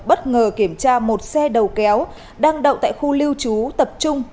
bất ngờ kiểm tra một xe đầu kéo đang đậu tại khu lưu trú tập trung